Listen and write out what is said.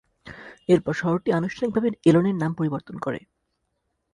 এরপর শহরটি আনুষ্ঠানিকভাবে এলনের নাম পরিবর্তন করে।